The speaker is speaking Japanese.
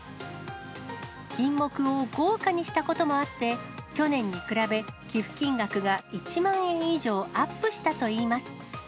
品目を豪華にしたこともあって、去年に比べ、寄付金額が１万円以上アップしたといいます。